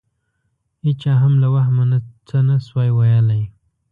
هېچا هم له وهمه څه نه شوای ویلای.